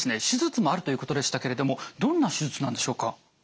手術もあるということでしたけれどもどんな手術なんでしょうか？